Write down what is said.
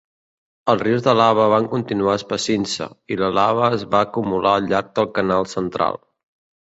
Els rius de lava van continuar espessint-se, i la lava es va acumular al llarg del canal central.